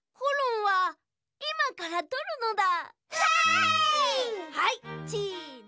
はいチーズ。